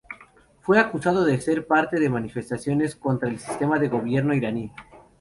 Fue acusado de ser parte de las manifestaciones contra el sistema de gobierno iraní.